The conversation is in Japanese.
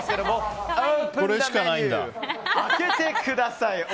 当ててください。